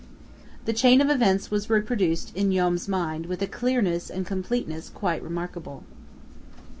The chain of events was reproduced in Joam's mind with a clearness and completeness quite remarkable.